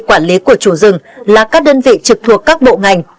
quản lý của chủ rừng là các đơn vị trực thuộc các bộ ngành